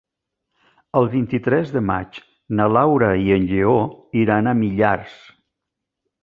El vint-i-tres de maig na Laura i en Lleó iran a Millars.